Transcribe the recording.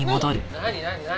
何何何？